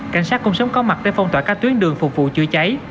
cảnh sát cũng sớm có mặt để phong tỏa các tuyến đường phục vụ chữa cháy